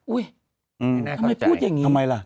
อุ๊ยทำไมพูดอย่างนี้